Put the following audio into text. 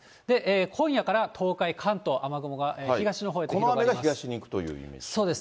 今夜から東海、関東、雨雲が東のほうへ広がります。